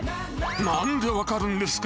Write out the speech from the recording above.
なんで分かるんですか？